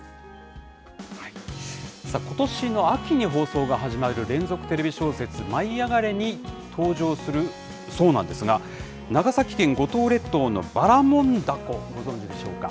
ことしの秋に放送が始まる連続テレビ小説、舞い上がれ！に登場するそうなんですが、長崎県五島列島のばらもんだこ、ご存じでしょうか。